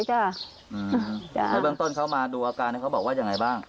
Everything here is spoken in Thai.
แล้วเบื้องต้นเขามาดูอาการเขาบอกว่ายังไงบ้าง